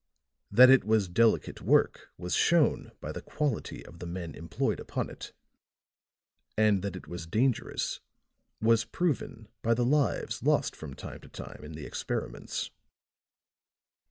That it was delicate work was shown by the quality of the men employed upon it; and that it was dangerous was proven by the lives lost from time to time in the experiments.